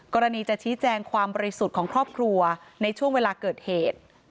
จะชี้แจงความบริสุทธิ์ของครอบครัวในช่วงเวลาเกิดเหตุ